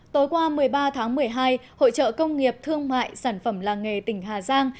tối qua một mươi ba tháng một mươi hai hội trợ công nghiệp thương mại sản phẩm làng nghề tỉnh hà giang